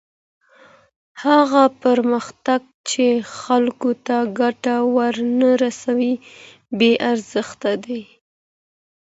هغه پرمختګ چی خلګو ته ګټه ونه رسوي بې ارزښته دی.